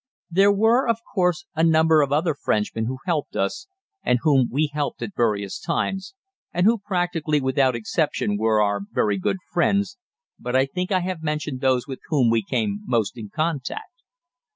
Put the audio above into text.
There were, of course, a number of other Frenchmen who helped us, and whom we helped at various times, and who practically without exception were our very good friends, but I think I have mentioned those with whom we came most in contact.